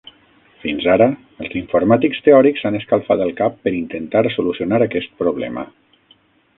Fins ara, els informàtics teòrics s'han escalfat el cap per intentar solucionar aquest problema.